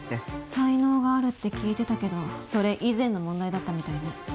才能があるって聞いてたけど、それ以前の問題だったみたいね。